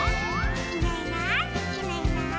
「いないいないいないいない」